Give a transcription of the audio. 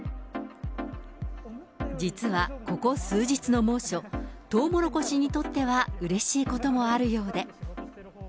実はここ数日の猛暑、トウモロコシにとっては、うれしいこともあるようで。